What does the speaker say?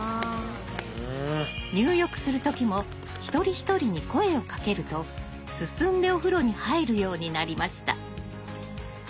入浴する時も一人一人に声をかけると進んでお風呂に入るようになりました。